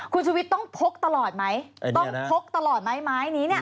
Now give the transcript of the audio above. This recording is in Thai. คุณชุวิตต้องพกตลอดไหมต้องพกตลอดไหมไม้นี้เนี่ย